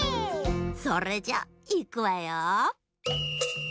それじゃいくわよ。